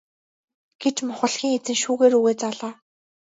гэж мухлагийн эзэн шүүгээ рүүгээ заалаа.